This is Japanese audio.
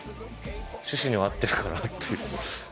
趣旨には合ってるかなっていう。